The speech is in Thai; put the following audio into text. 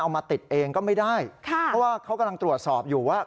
มาติดเองก็ไม่ได้ค่ะเพราะว่าเขากำลังตรวจสอบอยู่ว่า